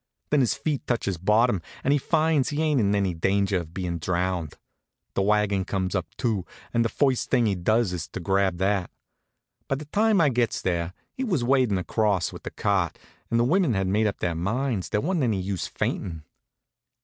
Then his feet touches bottom and he finds he ain't in any danger of bein' drowned. The wagon comes up, too, and the first thing he does is to grab that. By the time I gets there he was wadin' across with the cart, and the women had made up their minds there wa'n't any use fainting.